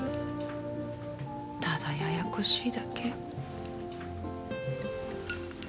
ただややこしいだけ。